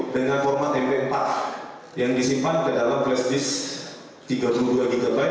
dengan format mp empat yang disimpan ke dalam flash disk tiga puluh dua gb